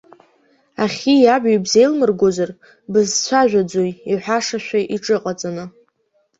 Ахьи абҩеи бзеилмыргозар, бызцәажәаӡои иҳәашашәа иҽыҟаҵаны.